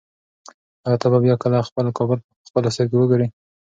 ایا ته به بیا کله خپل کابل په خپلو سترګو وګورې؟